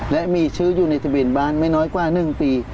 และมีชื่ออยู่ในทะเบียนบ้านไม่น้อยกว่า๑ปี